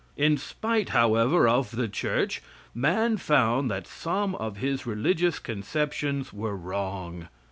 In spite, however, of the Church, man found that some of his religious conceptions were wrong.